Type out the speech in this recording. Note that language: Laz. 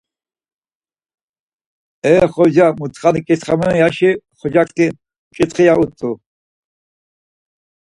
E Xoca mutxani k̆itxaminon yaşi Xocakti mk̆itxi ya utzu.